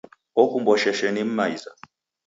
Okumbwa sheshe ni m'maiza.